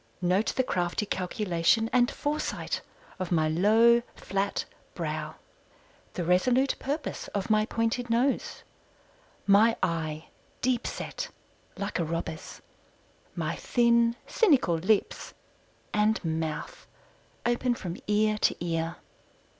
Note the crafty calculation and foresight of my low, flat brow, the resolute purpose of my pointed nose; my eye deep set like a robber's my thin cynical lips, and mouth open from ear to ear.